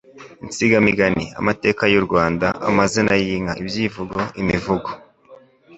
insigamigani, amateka y'u Rwanda, amazina y'inka, ibyivugo, imivugo,